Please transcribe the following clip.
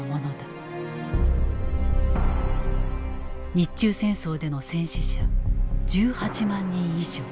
日中戦争での戦死者１８万人以上。